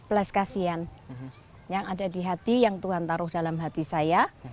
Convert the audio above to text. peles kasihan yang ada di hati yang tuhan taruh dalam hati saya